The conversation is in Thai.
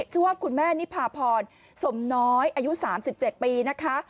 ชื่อว่าคุณแม่นิพาพรสมน้อยอายุ๓๗ปีนะคะ